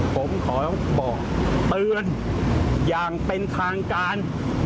ผมขอบอกเตือนอย่างเป็นทางการ